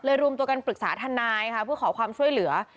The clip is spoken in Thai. รวมตัวกันปรึกษาทนายค่ะเพื่อขอความช่วยเหลือ